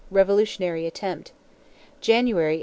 Revolutionary attempt. January, 1885.